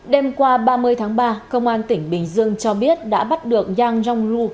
đêm qua ba mươi tháng ba công an tỉnh bình dương cho biết đã bắt được yang rongwu